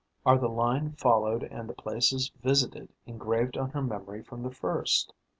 Are the line followed and the places visited engraved on her memory from the first?